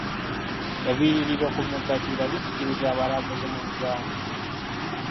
Ebiyiriro ku mugga kiyira bisikiriza abalambuzi mu Uganda.